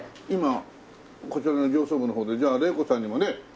今こちらの上層部の方でじゃあ玲子さんにもね